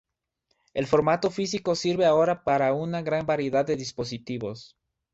El formato físico sirve ahora para una gran variedad de dispositivos.